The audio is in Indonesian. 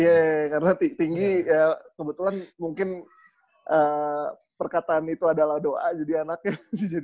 yeay karena tinggi ya kebetulan mungkin perkataan itu adalah doa jadi anaknya